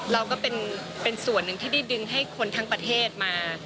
เราก็เป็นส่วนหนึ่งที่ได้ดึงให้คนทั้งประเทศมา